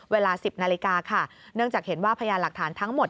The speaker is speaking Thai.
เวลา๑๐นาฬิกาค่ะเนื่องจากเห็นว่าพยานหลักฐานทั้งหมด